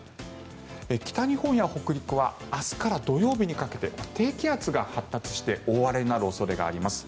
北日本や北陸は明日から土曜日にかけて低気圧が発達して大荒れになる恐れがあります。